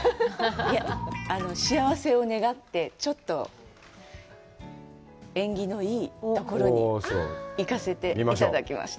いいえ、幸せを願って、ちょっと、縁起のいいところに行かせていただきました。